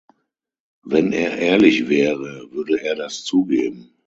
Wenn er ehrlich wäre, würde er das zugeben.